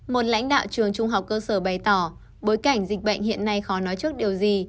một lãnh đạo trường trung học cơ sở bày tỏ bối cảnh dịch bệnh hiện nay khó nói trước điều gì